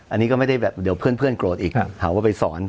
อันนี้ก็ไม่ได้แบบเดี๋ยวเพื่อนโกรธอีกหาว่าไปสอน